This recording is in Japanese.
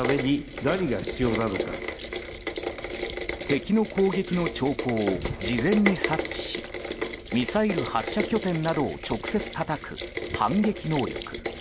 敵の攻撃の兆候を事前に察知しミサイル発射拠点などを直接たたく反撃能力。